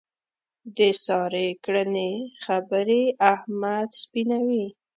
د سارې کړنې خبرې احمد سپینوي.